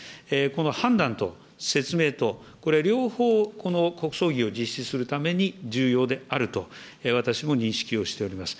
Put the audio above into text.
この判断と説明と、これ、両方、この国葬儀を実施するために重要であると、私も認識をしております。